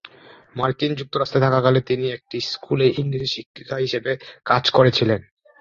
মার্কিন যুক্তরাষ্ট্রে থাকাকালে তিনি একটি স্কুলে ইংরেজি শিক্ষিকা হিসাবে কাজ করেছিলেন।